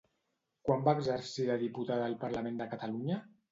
Quan va exercir de diputada al Parlament de Catalunya?